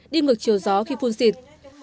đi ngược chiều gió khi phun xịt